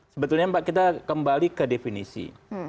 sebetulnya mbak kita kembali ke definisi